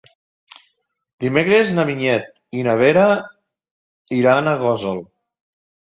Dimecres na Vinyet i na Vera iran a Gósol.